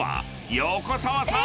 ［横澤さん